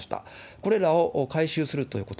これらを回収するということ。